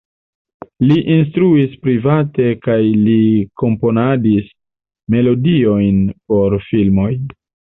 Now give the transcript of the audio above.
Li instruis private kaj li komponadis melodiojn por filmoj.